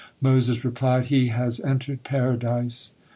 Moses replied: "He has entered Paradise."